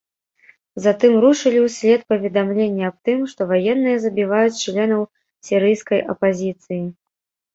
Затым рушылі ўслед паведамленні аб тым, што ваенныя забіваюць членаў сірыйскай апазіцыі.